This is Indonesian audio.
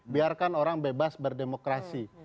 biarkan orang bebas berdemokrasi